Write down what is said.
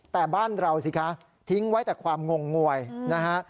แต่บ้านเราสิคะทิ้งไว้แต่ความงงงวยนะฮะ